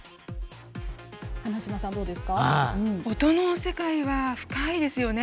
音の世界は深いですよね。